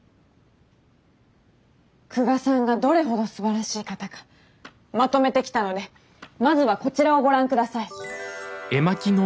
久我さんがどれほどすばらしい方かまとめてきたのでまずはこちらをご覧下さい。